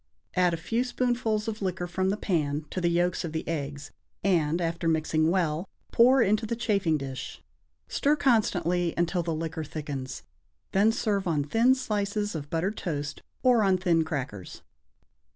Add a few spoonfuls of the liquor from the pan to the yolks of the eggs, and, after mixing well, pour into the chafing dish. Stir constantly until the liquor thickens, then serve on thin slices of buttered toast or on thin crackers.